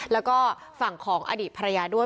แล้วก็ฝั่งของอดีตภรรยาด้วย